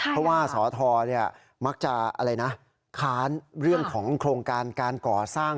เพราะว่าสอทรมักจะอะไรนะค้านเรื่องของโครงการการก่อสร้าง